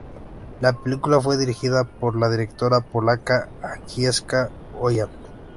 La película fue dirigida por la directora polaca Agnieszka Holland.